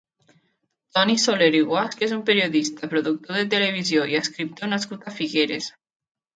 Toni Soler i Guasch és un periodista, productor de televisió i escriptor nascut a Figueres.